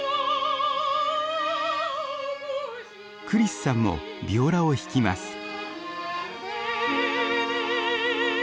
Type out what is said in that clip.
クリスさんもビオラを弾きます。